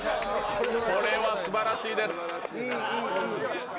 これは素晴らしいです。